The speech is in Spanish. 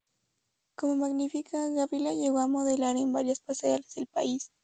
Como Magnifica, Gabriela llegó a modelar en varias pasarelas del país.